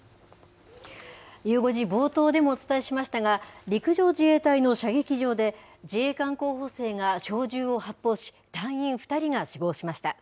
ゆう５時冒頭でもお伝えしましたが、陸上自衛隊の射撃場で、自衛官候補生が小銃を発砲し、隊員２人が死亡しました。